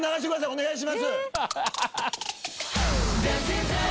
お願いします。